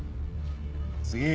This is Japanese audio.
次。